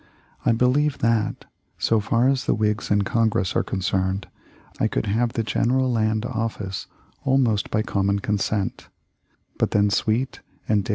I believe that, so far as the Whigs in Congress are concerned, I could have the General Land Office almost by common consent ; but then Sweet and Dav.